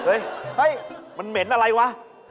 เฮ้ยมันเหม็นอะไรวะ